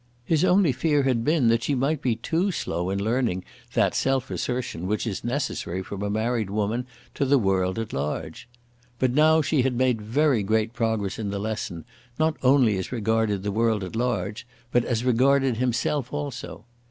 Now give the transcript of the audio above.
His only fear had been that she might be too slow in learning that self assertion which is necessary from a married woman to the world at large. But now she had made very great progress in the lesson, not only as regarded the world at large, but as regarded himself also.